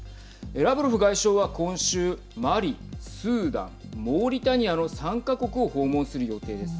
ラブロフ外相は今週マリ、スーダン、モーリタニアの３か国を訪問する予定です。